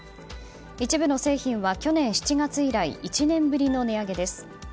一部の製品は、去年７月以来１年ぶりの値上げです。